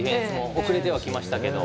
遅れてはきましたけど。